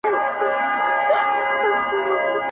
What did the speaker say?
چي شېردل يې کړ د دار تمبې ته پورته.!